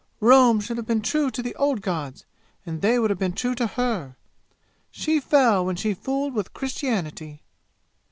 Rome should have been true to the old gods, and they would have been true to her! She fell when she fooled with Christianity!"